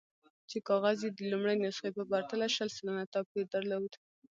چې کاغذ یې د لومړۍ نسخې په پرتله شل سلنه توپیر درلود.